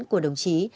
của đồng chí